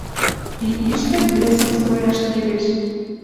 Ти иштӹ гэсым строяш келеш.